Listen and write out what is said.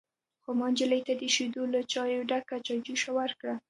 _خو ما نجلۍ ته د شيدو له چايو ډکه چايجوشه ورکړه.